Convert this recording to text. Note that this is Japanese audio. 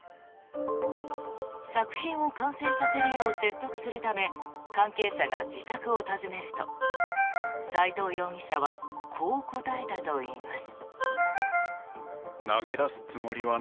作品を完成させるよう説得するため関係者が自宅を訪ねると斎藤容疑者はこう答えたといいます。